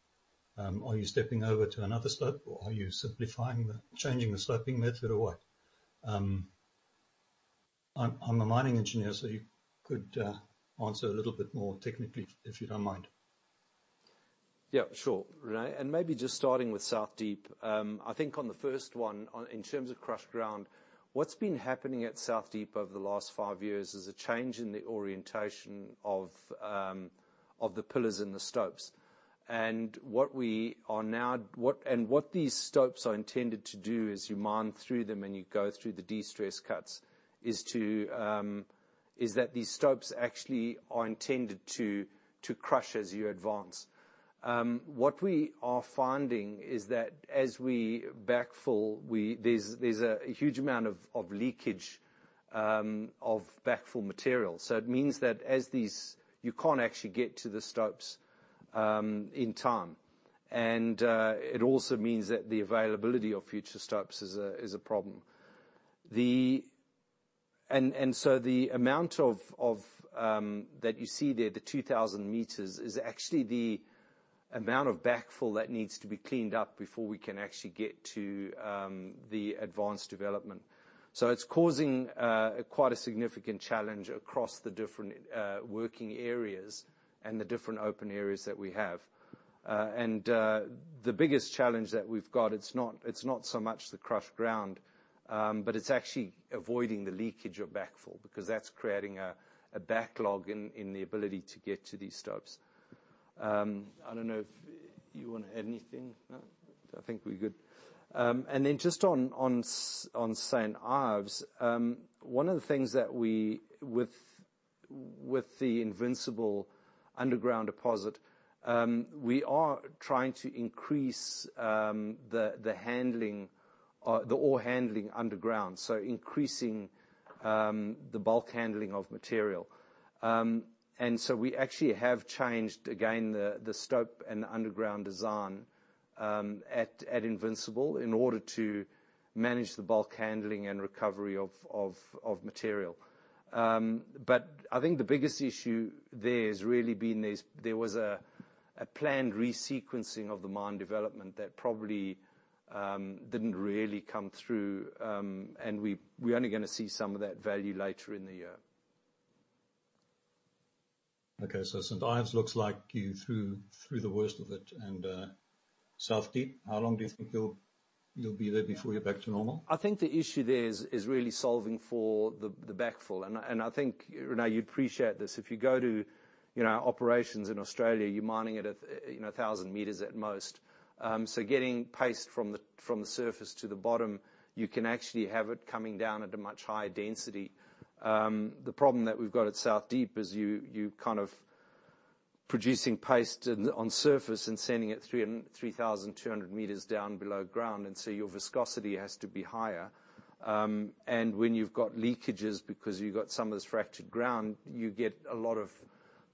Are you stepping over to another stope, or are you simplifying the, changing the stoping method, or what? I'm a mining engineer, so you could answer a little bit more technically, if you don't mind. Yeah, sure, Rene. Maybe just starting with South Deep. I think on the first one, in terms of crushed ground, what's been happening at South Deep over the last five years is a change in the orientation of the pillars in the stopes. And what we are now—what these stopes are intended to do, as you mine through them, and you go through the de-stress cuts, is that these stopes actually are intended to crush as you advance. What we are finding is that as we backfill, there's a huge amount of leakage of backfill material. So it means that as these... You can't actually get to the stopes in time. And it also means that the availability of future stopes is a problem. And so the amount of that you see there, the 2,000 meters, is actually the amount of backfill that needs to be cleaned up before we can actually get to the advanced development. So it's causing quite a significant challenge across the different working areas and the different open areas that we have. And the biggest challenge that we've got, it's not, it's not so much the crushed ground, but it's actually avoiding the leakage of backfill, because that's creating a backlog in the ability to get to these stopes. I don't know if you want to add anything. No? I think we're good. And then just on St. St. Ives, one of the things that we, with the Invincible underground deposit, we are trying to increase the handling, the ore handling underground, so increasing the bulk handling of material. And so we actually have changed, again, the stope and underground design at Invincible in order to manage the bulk handling and recovery of material. But I think the biggest issue there has really been there was a planned resequencing of the mine development that probably didn't really come through, and we're only gonna see some of that value later in the year. Okay, so St. Ives looks like you're through the worst of it. And South Deep, how long do you think you'll be there before you're back to normal? I think the issue there is really solving for the backfill. And I think, Rene, you'd appreciate this. If you go to, you know, operations in Australia, you're mining at a 1,000 meters at most. So getting paste from the surface to the bottom, you can actually have it coming down at a much higher density. The problem that we've got at South Deep is you kind of producing paste on surface and sending it 3,200 meters down below ground, and so your viscosity has to be higher. And when you've got leakages because you've got some of this fractured ground, you get a lot of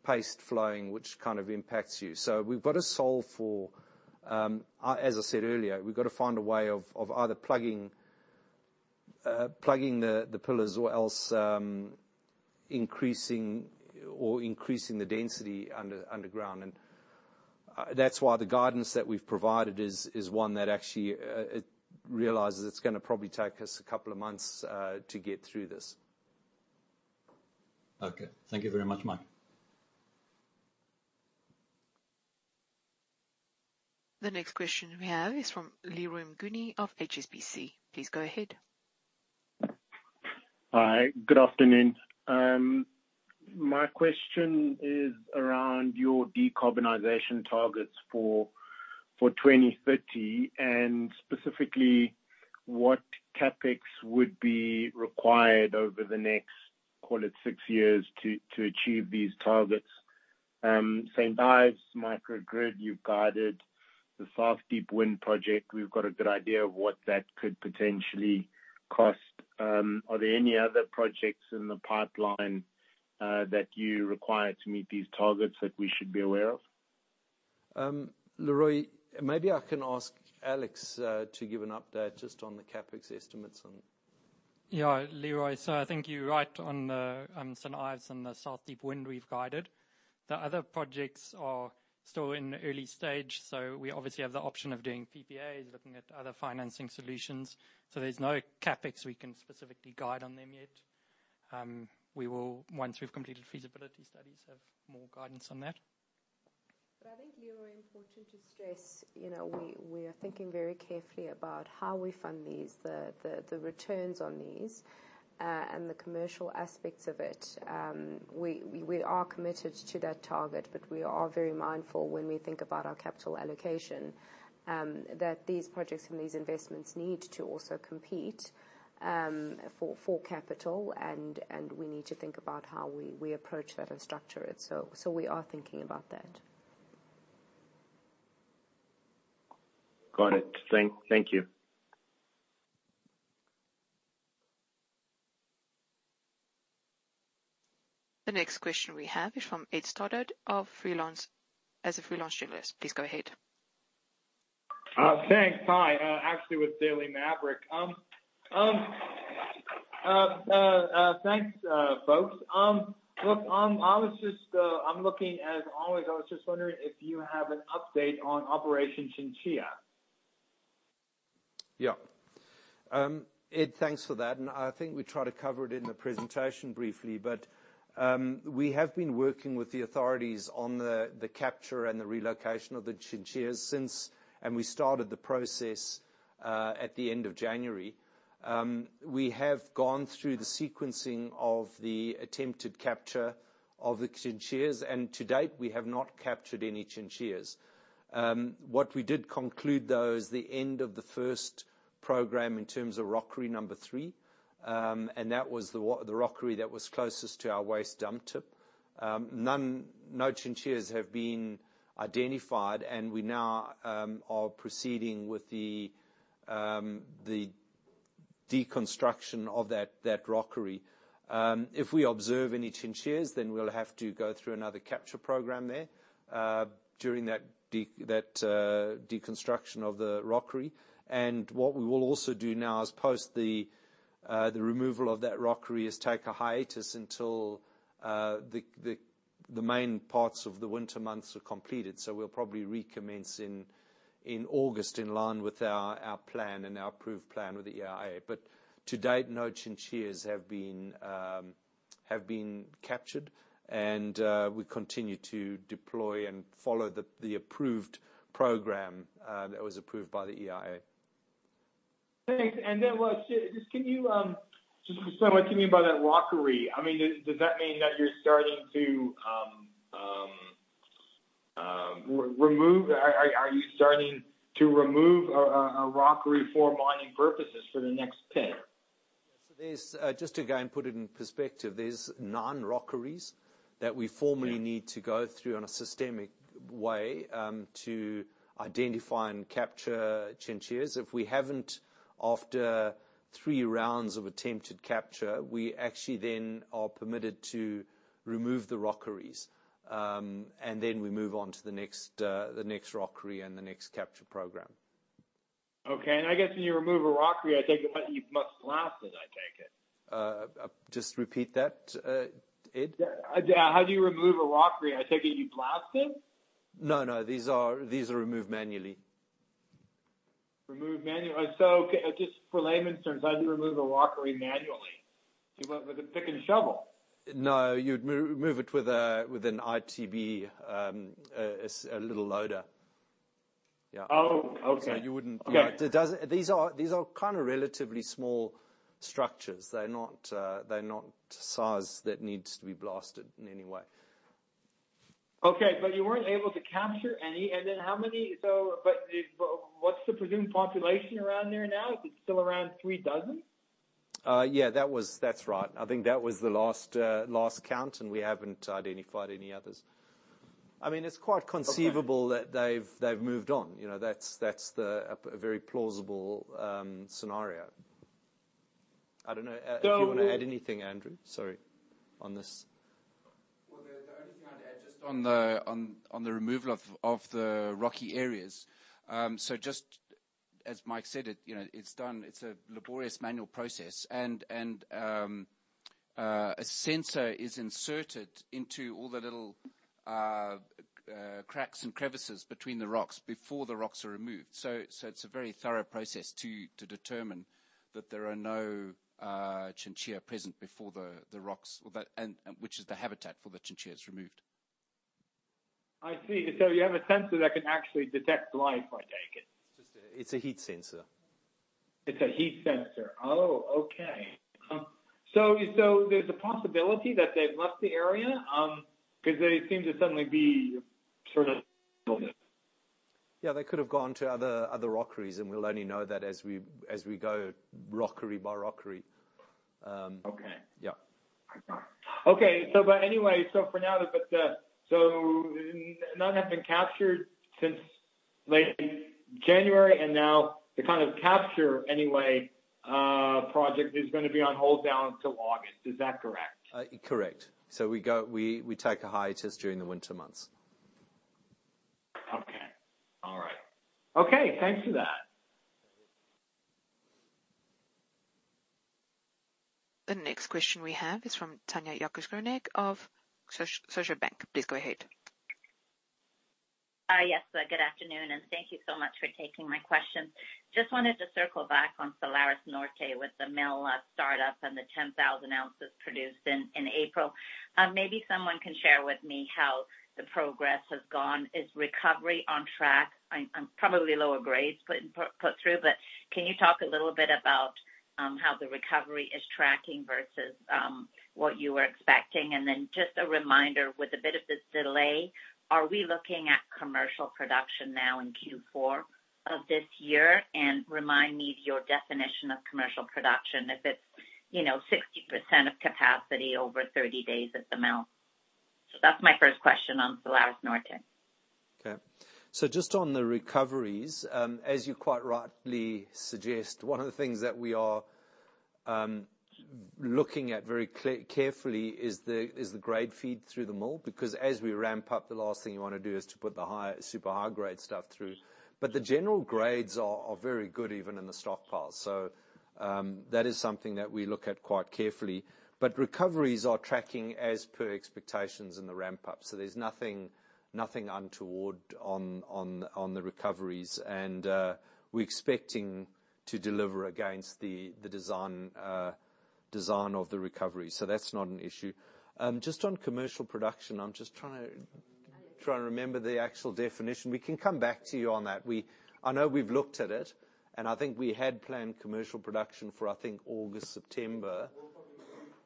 paste flowing, which kind of impacts you. So we've got to solve for... As I said earlier, we've got to find a way of either plugging the pillars or else increasing the density underground. That's why the guidance that we've provided is one that actually realizes it's gonna probably take us a couple of months to get through this. Okay. Thank you very much, Mike. The next question we have is from Leroy Mnguni of HSBC. Please go ahead. Hi, good afternoon. My question is around your decarbonization targets for 2030, and specifically, what CapEx would be required over the next, call it, 6 years to achieve these targets. St. Ives microgrid, you've guided the South Deep Wind project. We've got a good idea of what that could potentially cost. Are there any other projects in the pipeline that you require to meet these targets that we should be aware of? Leroy, maybe I can ask Alex to give an update just on the CapEx estimates on... Yeah, Leroy, so I think you're right on the St. Ives and the South Deep Wind we've guided. The other projects are still in early stage, so we obviously have the option of doing PPAs, looking at other financing solutions. So there's no CapEx we can specifically guide on them yet. We will, once we've completed feasibility studies, have more guidance on that. But I think, Leroy, important to stress, you know, we are thinking very carefully about how we fund these, the returns on these, and the commercial aspects of it. We are committed to that target, but we are very mindful when we think about our capital allocation, that these projects and these investments need to also compete for capital, and we need to think about how we approach that and structure it. So, we are thinking about that. Got it. Thank you. The next question we have is from Ed Stoddard of freelance, as a freelance journalist. Please go ahead. Thanks. Hi, actually, with Daily Maverick. Thanks, folks. Look, I was just, I'm looking as always, I was just wondering if you have an update on Operation Chinchilla. Yeah. Ed, thanks for that, and I think we tried to cover it in the presentation briefly, but we have been working with the authorities on the capture and the relocation of the chinchillas since we started the process at the end of January. We have gone through the sequencing of the attempted capture of the chinchillas, and to date, we have not captured any chinchillas. What we did conclude, though, is the end of the first program in terms of rockery number three, and that was the rockery that was closest to our waste dump tip. No chinchillas have been identified, and we now are proceeding with the deconstruction of that rockery. If we observe any chinchillas, then we'll have to go through another capture program there, during that deconstruction of the rockery. And what we will also do now is post the removal of that rockery, is take a hiatus until the main parts of the winter months are completed. So we'll probably recommence in August, in line with our plan and our approved plan with the EIA. But to date, no chinchillas have been captured, and we continue to deploy and follow the approved program that was approved by the EIA. Thanks. And then, well, just can you just explain what you mean by that rockery? I mean, does that mean that you're starting to remove a rockery for mining purposes for the next pit? There's just again, to put it in perspective, there's 9 rockeries that we formally- Yeah... need to go through on a systematic way, to identify and capture chinchillas. If we haven't, after 3 rounds of attempted capture, we actually then are permitted to remove the rockeries, and then we move on to the next, the next rockery and the next capture program. Okay. And I guess when you remove a rockery, I take it, you must blast it, I take it. Just repeat that, Ed? Yeah. How do you remove a rockery? I take it you blast it? No, no. These are, these are removed manually. Removed manually. So, okay, just for layman's terms, how do you remove a rockery manually? Do you go with a pick and shovel? No, you'd remove it with an IT, a little loader. Yeah. Oh, okay. So you wouldn't- Yeah. It doesn't... These are, these are kind of relatively small structures. They're not, they're not size that needs to be blasted in any way. Okay, but you weren't able to capture any. So, but, what's the presumed population around there now? Is it still around three dozen? ... Yeah, that was. That's right. I think that was the last count, and we haven't identified any others. I mean, it's quite conceivable that they've moved on. You know, that's a very plausible scenario. I don't know if you want to add anything, Andrew, sorry, on this. Well, the only thing I'd add just on the removal of the rocky areas, so just as Mike said, you know, it's done, it's a laborious manual process and a sensor is inserted into all the little cracks and crevices between the rocks before the rocks are removed. So it's a very thorough process to determine that there are no chinchillas present before the rocks, or that, and which is the habitat for the chinchillas, removed. I see. So you have a sensor that can actually detect life, I take it? It's a heat sensor. It's a heat sensor. Oh, okay. So, there's a possibility that they've left the area, because they seem to suddenly be sort of... Yeah, they could have gone to other rockeries, and we'll only know that as we go rockery by rockery. Okay. Yeah. Okay, so for now, none have been captured since late January, and now they kind of capture project is going to be on hold until August. Is that correct? Correct. So we go—we take a hiatus during the winter months. Okay. All right. Okay, thanks for that. The next question we have is from Tanya Jakusconek of Scotiabank. Please go ahead. Yes, good afternoon, and thank you so much for taking my question. Just wanted to circle back on Salares Norte with the mill start-up and the 10,000 oz produced in April. Maybe someone can share with me how the progress has gone. Is recovery on track? Probably lower grades put in, put through, but can you talk a little bit about how the recovery is tracking versus what you were expecting? And then just a reminder, with a bit of this delay, are we looking at commercial production now in Q4 of this year? And remind me of your definition of commercial production, if it's, you know, 60% of capacity over 30 days at the mill. So that's my first question on Salares Norte. Okay. So just on the recoveries, as you quite rightly suggest, one of the things that we are looking at very carefully is the grade feed through the mill, because as we ramp up, the last thing you want to do is to put the high, super high-grade stuff through. But the general grades are very good, even in the stockpile. So that is something that we look at quite carefully. But recoveries are tracking as per expectations in the ramp-up. So there's nothing untoward on the recoveries, and we're expecting to deliver against the design of the recovery. So that's not an issue. Just on commercial production, I'm just trying to remember the actual definition. We can come back to you on that. I know we've looked at it, and I think we had planned commercial production for, I think, August, September.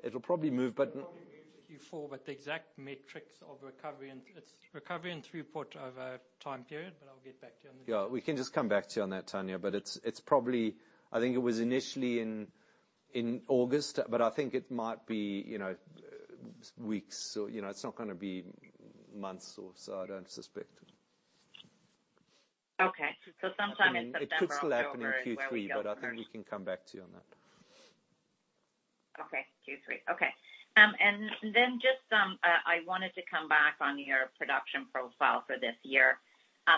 It'll probably move, but- It'll probably move to Q4, but the exact metrics of recovery, and it's recovery and throughput over a time period, but I'll get back to you on that. Yeah, we can just come back to you on that, Tanya, but it's, it's probably... I think it was initially in, in August, but I think it might be, you know, weeks. So, you know, it's not gonna be months or so, I don't suspect. Okay. So sometime in September, October- It could still happen in Q3, but I think we can come back to you on that. Okay. Q3. Okay, and then just, I wanted to come back on your production profile for this year.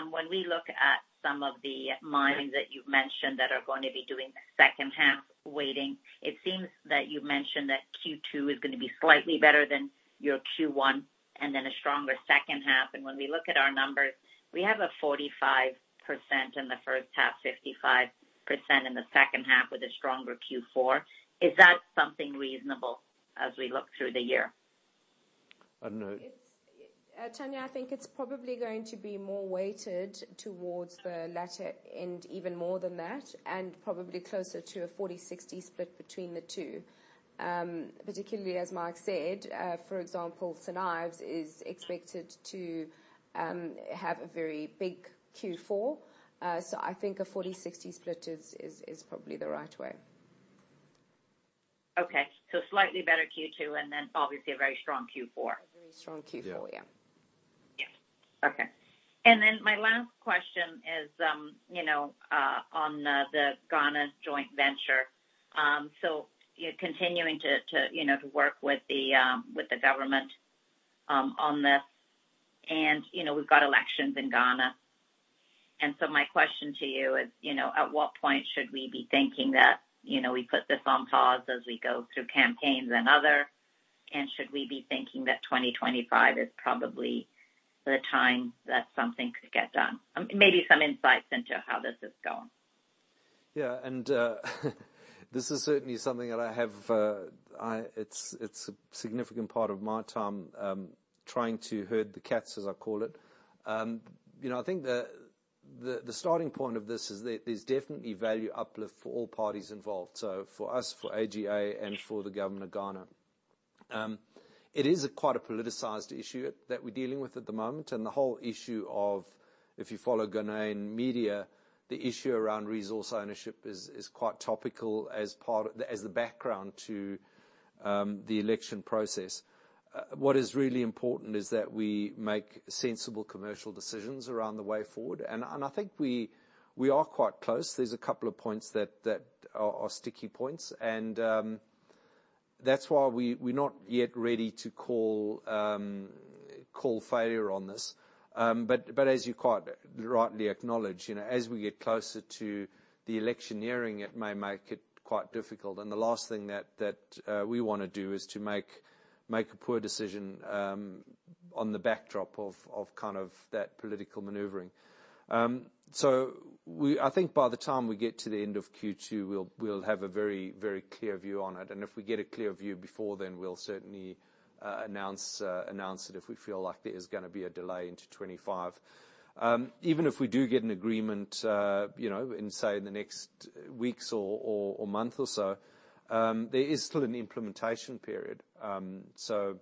When we look at some of the mines that you've mentioned that are going to be doing the second half weighting, it seems that you mentioned that Q2 is going to be slightly better than your Q1, and then a stronger second half. And when we look at our numbers, we have a 45% in the first half, 55% in the second half with a stronger Q4. Is that something reasonable as we look through the year? I don't know. It's, Tanya, I think it's probably going to be more weighted towards the latter end, even more than that, and probably closer to a 40/60 split between the two. Particularly as Mike said, for example, St. Ives is expected to have a very big Q4. So I think a 40/60 split is probably the right way. Okay. So slightly better Q2, and then obviously a very strong Q4. A very strong Q4. Yeah. Yeah. Yes. Okay. And then my last question is, you know, on the Ghana joint venture. So you're continuing to you know, to work with the government on this. And, you know, we've got elections in Ghana. And so my question to you is, you know, at what point should we be thinking that, you know, we put this on pause as we go through campaigns and other, and should we be thinking that 2025 is probably the time that something could get done? Maybe some insights into how this is going. Yeah, and this is certainly something that I have. It's a significant part of my time trying to herd the cats, as I call it. You know, I think the starting point of this is there's definitely value uplift for all parties involved, so for us, for AGA, and for the government of Ghana. It is quite a politicized issue that we're dealing with at the moment, and the whole issue of, if you follow Ghanaian media, the issue around resource ownership is quite topical as part of the background to the election process. What is really important is that we make sensible commercial decisions around the way forward, and I think we are quite close. There's a couple of points that are sticky points, and that's why we're not yet ready to call failure on this. But as you quite rightly acknowledge, you know, as we get closer to the electioneering, it may make it quite difficult. And the last thing that we wanna do is to make a poor decision on the backdrop of kind of that political maneuvering. So, I think by the time we get to the end of Q2, we'll have a very clear view on it. And if we get a clear view before then, we'll certainly announce it if we feel like there is gonna be a delay into 2025. Even if we do get an agreement, you know, in, say, the next weeks or month or so, there is still an implementation period. So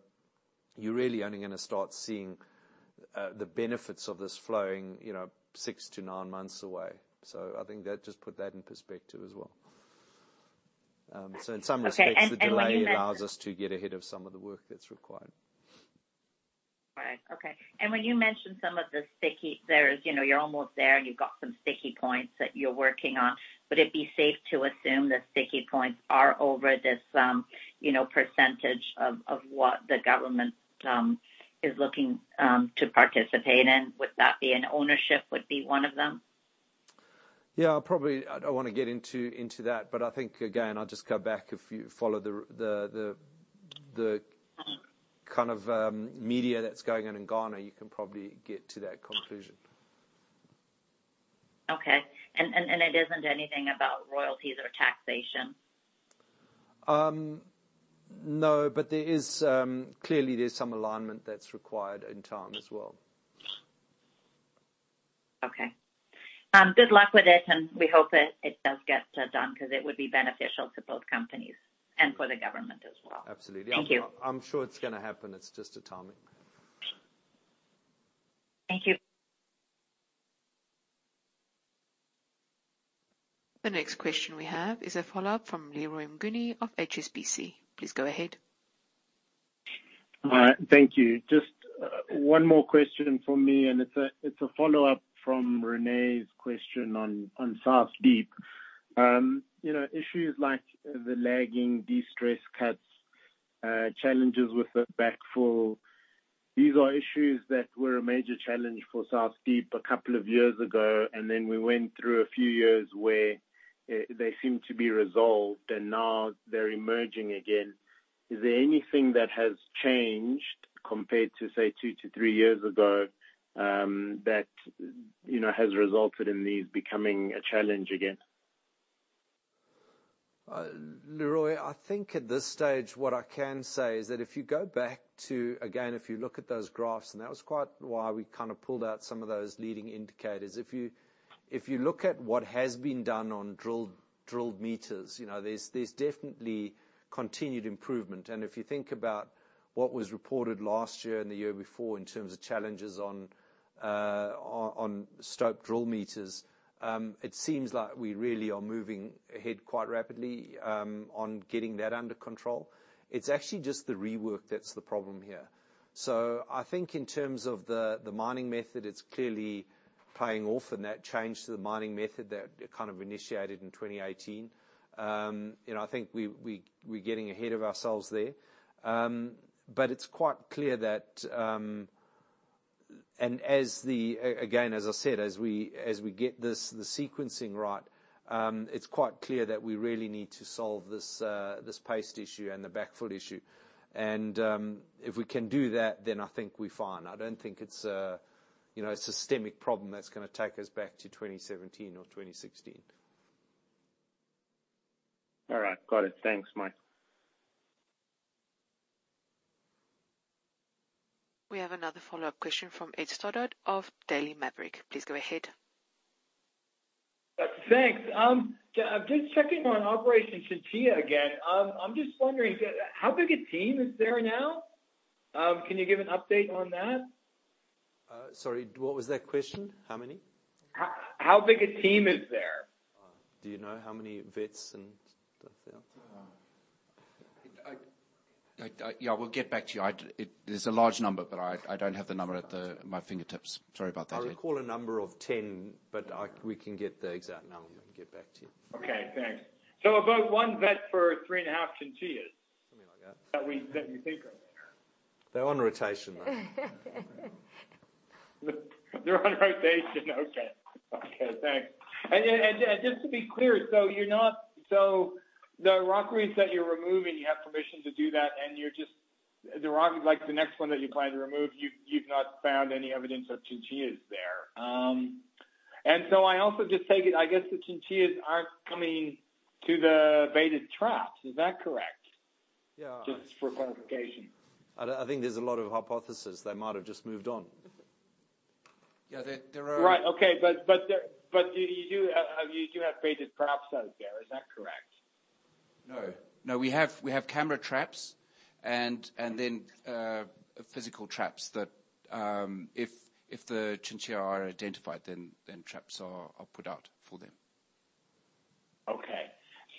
you're really only gonna start seeing the benefits of this flowing, you know, 6-9 months away. So I think that just put that in perspective as well. So in some respects- Okay, and when you mentioned- The delay allows us to get ahead of some of the work that's required. Right. Okay. And when you mentioned some of the sticky, there is, you know, you're almost there, and you've got some sticky points that you're working on. Would it be safe to assume the sticky points are over this, you know, percentage of what the government is looking to participate in? Would that be an ownership, would be one of them? Yeah, probably, I don't want to get into that, but I think, again, I'll just go back. If you follow the- Mm Kind of media that's going on in Ghana, you can probably get to that conclusion. Okay. And it isn't anything about royalties or taxation? No, but there is clearly there's some alignment that's required in time as well. Okay. Good luck with it, and we hope that it does get done because it would be beneficial to both companies and for the government as well. Absolutely. Thank you. I'm sure it's gonna happen. It's just a timing. Thank you. The next question we have is a follow-up from Leroy Mnguni of HSBC. Please go ahead. Thank you. Just one more question from me, and it's a follow-up from René's question on South Deep. You know, issues like the lagging destress cuts, challenges with the backfill, these are issues that were a major challenge for South Deep a couple of years ago, and then we went through a few years where they seemed to be resolved, and now they're emerging again. Is there anything that has changed compared to, say, two to three years ago, that you know has resulted in these becoming a challenge again? Leroy, I think at this stage, what I can say is that if you go back to... Again, if you look at those graphs, and that was quite why we kind of pulled out some of those leading indicators. If you, if you look at what has been done on drilled, drilled meters, you know, there's, there's definitely continued improvement. And if you think about what was reported last year and the year before in terms of challenges on, on stope drill meters, it seems like we really are moving ahead quite rapidly, on getting that under control. It's actually just the rework that's the problem here. So I think in terms of the, the mining method, it's clearly paying off on that change to the mining method that it kind of initiated in 2018. You know, I think we're getting ahead of ourselves there. But it's quite clear that again, as I said, as we get the sequencing right, it's quite clear that we really need to solve this paste issue and the backfill issue. And if we can do that, then I think we're fine. I don't think it's a systemic problem that's gonna take us back to 2017 or 2016. All right, got it. Thanks, Mike. We have another follow-up question from Ed Stoddard of Daily Maverick. Please go ahead. Thanks. Just checking on Operation Chinchilla again. I'm just wondering, how big a team is there now? Can you give an update on that? Sorry, what was that question? How many? How big a team is there? Do you know how many vets and the, yeah? Yeah, we'll get back to you. There's a large number, but I don't have the number at my fingertips. Sorry about that. I recall a number of 10, but we can get the exact number and get back to you. Okay, thanks. So about 1 vet for 3.5 chinchillas- Something like that. that we, that we think are there. They're on rotation, though. They're on rotation. Okay. Okay, thanks. And just to be clear, so the rockeries that you're removing, you have permission to do that, and you're just the rock, like, the next one that you plan to remove, you've not found any evidence of chinchillas there. And so I also just take it, I guess, the chinchillas aren't coming to the baited traps. Is that correct? Yeah. Just for clarification. I think there's a lot of hypothesis. They might have just moved on.... Yeah, there are- Right. Okay, but you do have baited traps out there, is that correct? No. No, we have camera traps and then physical traps that, if the chinchilla are identified, then traps are put out for them. Okay.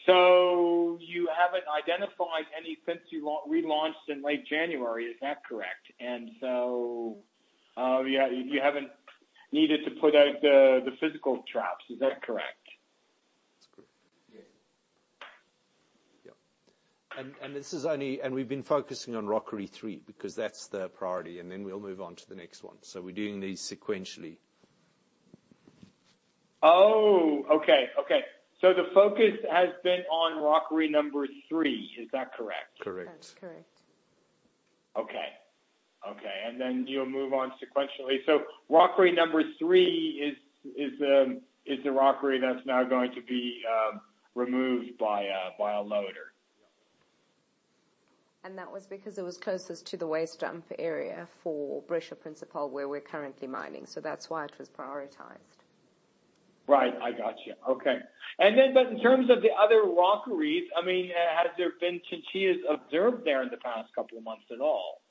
So you haven't identified any since you relaunched in late January, is that correct? And so, yeah, you haven't needed to put out the physical traps, is that correct? That's correct. Yeah. Yeah. And, and this is only and we've been focusing on rockery three, because that's the priority, and then we'll move on to the next one. So we're doing these sequentially. Oh, okay, okay. So the focus has been on rockery number 3, is that correct? Correct. That's correct. Okay. Okay, and then you'll move on sequentially. So rockery number three is the rockery that's now going to be removed by a loader? That was because it was closest to the waste dump area for Breccia Principal, where we're currently mining, so that's why it was prioritized. Right. I got you. Okay. And then, but in terms of the other rockeries, I mean, have there been chinchillas observed there in the past couple of months at all?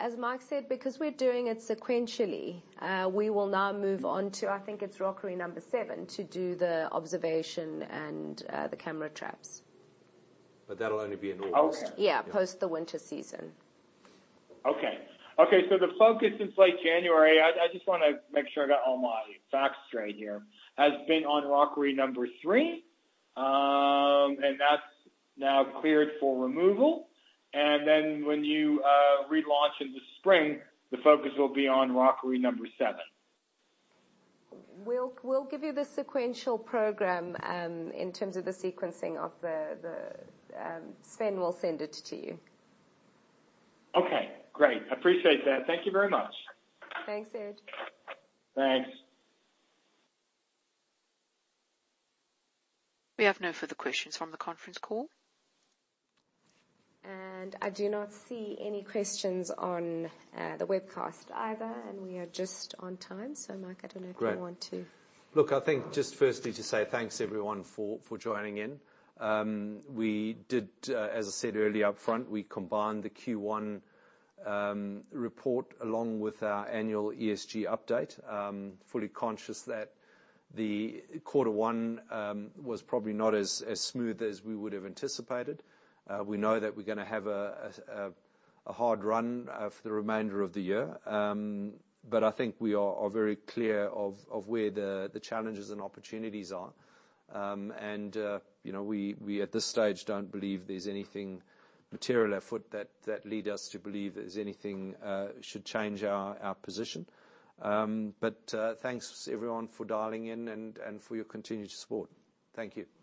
As Mike said, because we're doing it sequentially, we will now move on to, I think it's rockery number seven, to do the observation and the camera traps. But that'll only be in August. Okay. Yeah, post the winter season. Okay. Okay, so the focus since late January, I just wanna make sure I got all my facts straight here, has been on rockery number 3, and that's now cleared for removal. And then, when you relaunch in the spring, the focus will be on rockery number 7. We'll give you the sequential program in terms of the sequencing. Sven will send it to you. Okay, great. Appreciate that. Thank you very much. Thanks, Ed. Thanks. We have no further questions from the conference call. I do not see any questions on the webcast either, and we are just on time. So, Mike, I don't know if you want to- Great. Look, I think just firstly to say thanks, everyone, for joining in. We did, as I said earlier up front, we combined the Q1 report along with our annual ESG update. Fully conscious that the quarter one was probably not as smooth as we would have anticipated. We know that we're gonna have a hard run for the remainder of the year. But I think we are very clear of where the challenges and opportunities are. And you know, at this stage, don't believe there's anything material afoot that lead us to believe there's anything should change our position. But thanks, everyone, for dialing in and for your continued support. Thank you.